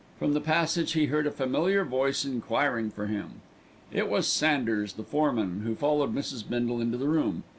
From the passage he heard a familiar voice enquiring for him. It was Sanders, the foreman, who followed Mrs. Bindle into the room.